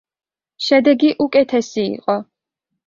შედეგი უკეთესი იყო.